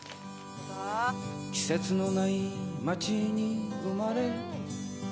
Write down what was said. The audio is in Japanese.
「季節のない街に生まれ」